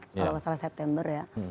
kalau salah september ya